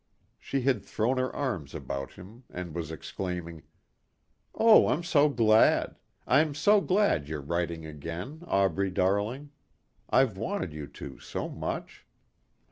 She had thrown her arms about him and was exclaiming, "Oh, I'm so glad. I'm so glad you're writing again, Aubrey darling. I've wanted you to so much."